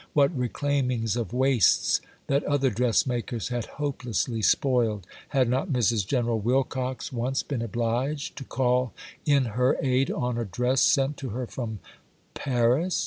what reclaimings of waists that other dressmakers had hopelessly spoiled! Had not Mrs. General Wilcox once been obliged to call in her aid on a dress sent to her from Paris?